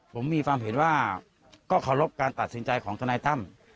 ผมมีความเห็นว่าก็เคารพการตัดสินใจของทนายตั้ม